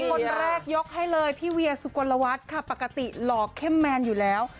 คนแรกยกให้เลยพี่เวียสุกลวัฒน์ค่ะปกติหล่อเข้มแมนอยู่แล้ว